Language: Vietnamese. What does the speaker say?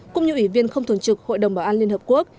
cũng như ủy viên không thường trực hội đồng bảo an liên hợp quốc